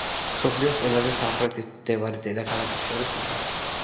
მსოფლიოს ყველაზე სამხრეთით მდებარე დედაქალაქებს შორის მესამეა.